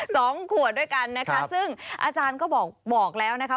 สองขวดด้วยกันนะคะซึ่งอาจารย์ก็บอกบอกแล้วนะคะ